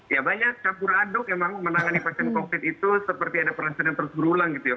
ya banyak campur aduk memang menangani pasien covid itu seperti ada perasaan yang terus berulang gitu ya